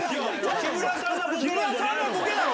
木村さんがボケだろ。